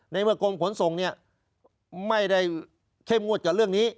ในเมื่อกรมขนส่งเนี่ยไม่ได้เข้มงวดกับเรื่องนี้